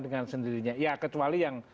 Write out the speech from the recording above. dengan sendirinya ya kecuali yang